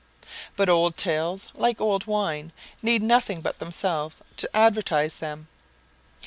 But old tales, like old wine, need nothing but themselves to advertise them.